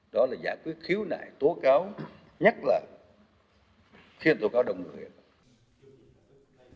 đó là giải quyết khiếu nại tố cáo nhất là khiến tố cáo đồng nguyện